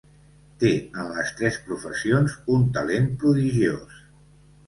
Té en les tres professions un talent prodigiós.